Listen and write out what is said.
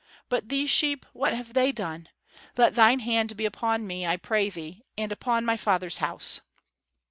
But these sheep, what have they done? Let thine hand be upon me, I pray thee, and upon my father's house!"